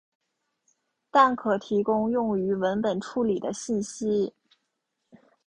但可提供用于文本处理的信息。